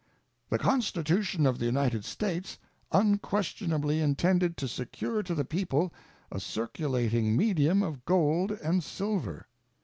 The Constitution of the United States unquestionably intended to secure to the people a circulating medium of gold and silver.